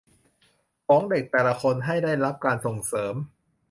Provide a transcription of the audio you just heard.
ของเด็กแต่ละคนให้ได้รับการส่งเสริม